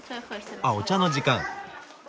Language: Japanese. あお茶の時間。